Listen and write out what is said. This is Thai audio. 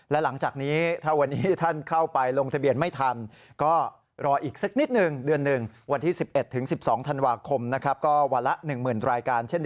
และหลังจากนี้ถ้าวันนี้ท่านเข้าไปลงทะเบียนไม่ทัน